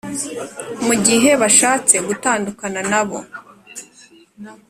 mu gihe bashatse gutandukana na bo.